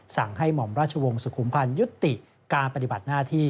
สั่งให้หม่อมราชวงศ์สุขุมพันธ์ยุติการปฏิบัติหน้าที่